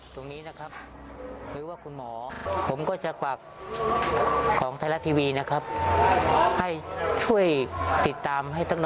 พ่อจะเชื่อว่าลูกพ่อจะไปเพราะเรื่องนี้แต่มันมีฝักใจหลายอย่าง